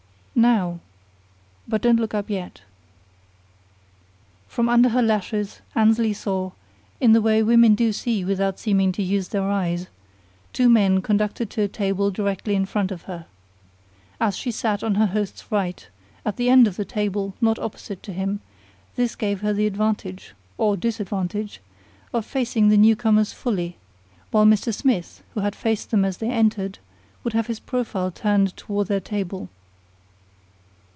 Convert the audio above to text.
Now ... but don't look up yet." From under her lashes Annesley saw in the way women do see without seeming to use their eyes two men conducted to a table directly in front of her. As she sat on her host's right, at the end of the table, not opposite to him, this gave her the advantage or disadvantage of facing the newcomers fully, while Mr. Smith, who had faced them as they entered, would have his profile turned toward their table.